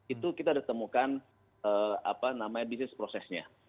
itu kita ditemukan bisnis prosesnya